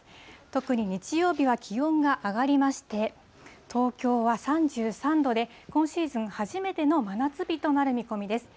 特に日曜日は気温が上がりまして、東京は３３度で、今シーズン初めての真夏日となる見込みです。